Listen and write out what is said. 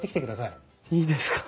いいですか？